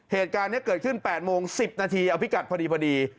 เหตุการณ์นี้เกิดขึ้น๘โมง๑๐นาทีเอาพิกัดพอดี